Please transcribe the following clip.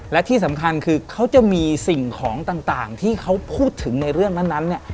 และที่สำคัญคือเขาจะมีสิ่งของต่างที่เขาพูดถึงในเรื่องนั้นเนี่ย